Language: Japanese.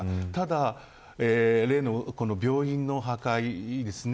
ただ、例の病院の破壊ですね。